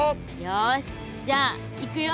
よしじゃあいくよ。